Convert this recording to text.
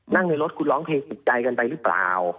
ในรถคุณร้องเพลงติดใจกันไปหรือเปล่า